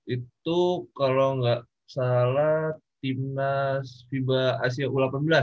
itu kalau nggak salah timnas fiba asia u delapan belas